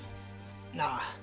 なあ